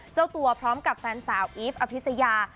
เจ้าตัวพร้อมกับแฟนสาวอีฟอภิษยา